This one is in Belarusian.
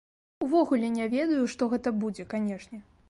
Увогуле не ведаю, што гэта будзе, канечне.